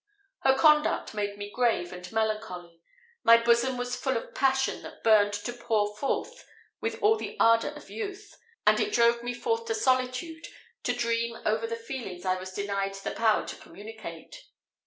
Her conduct made me grave and melancholy. My bosom was full of a passion that I burned to pour forth with all the ardour of youth, and it drove me forth to solitude to dream over the feelings I was denied the power to communicate.